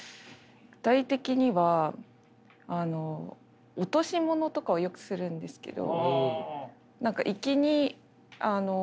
具体的には落とし物とかをよくするんですけど。